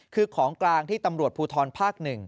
คือของกลางที่ตำรวจภูทรภาค๑